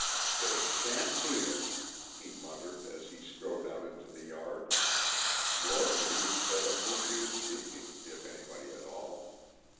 "They shan't beat us!" he muttered, as he strode out into the yard. Nor could he have said of whom he was speaking, if anybody at all.